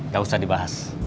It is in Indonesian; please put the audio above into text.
gak usah dibahas